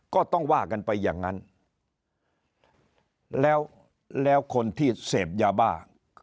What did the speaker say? ก็ต้องว่ากันไปอย่างนั้นแล้วแล้วคนที่เสพยาบ้า